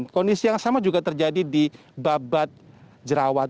kondisi yang sama juga terjadi di babat jerawat